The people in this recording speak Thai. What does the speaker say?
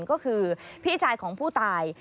ก็คือพี่ชายของผู้ตาย